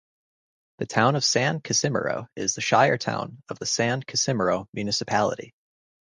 The town of San Casimiro is the shire town of the San Casimiro Municipality.